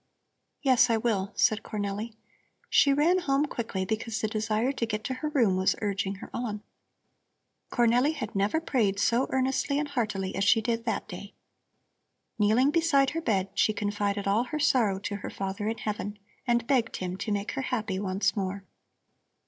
"Yes, I will," said Cornelli. She ran home quickly, because the desire to get to her room was urging her on. Cornelli had never prayed so earnestly and heartily as she did that day. Kneeling beside her bed, she confided all her sorrow to her Father in Heaven, and begged Him to make her happy once more.